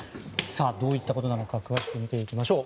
どういったことなのか詳しく見ていきましょう。